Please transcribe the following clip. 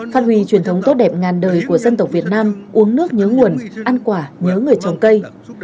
phát huy truyền thống tốt đẹp ngàn đời của dân tộc việt nam uống nước nhớ nguồn ăn quả nhớ người trồng cây